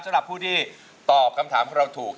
สำหรับผู้ที่ตอบคำถามของเราถูก